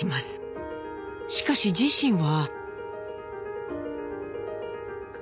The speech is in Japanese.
しかし自身は。